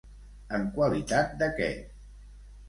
En qualitat de què?